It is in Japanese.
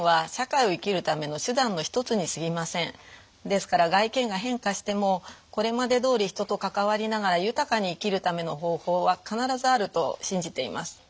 ですから外見が変化してもこれまでどおり人と関わりながら豊かに生きるための方法は必ずあると信じています。